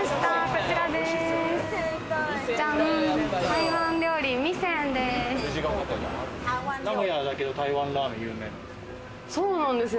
こちらです。